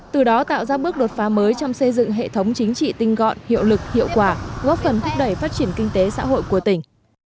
từ đó tạo ra bước đột phá mới trong xây dựng hệ thống chính trị tinh gọn hiệu lực hiệu quả góp phần thúc đẩy phát triển kinh tế xã hội của tỉnh